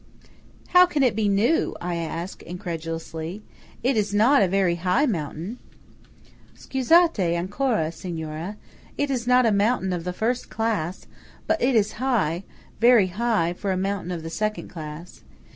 "How can it be new?" I ask, incredulously. "It is not a very high mountain." "Scusate ancora, Signora–it is not a mountain of the first class; but it is high, very high, for a mountain of the second class.